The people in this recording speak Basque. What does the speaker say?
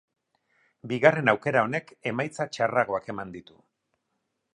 Bigarren aukera honek emaitza txarragoak eman ditu.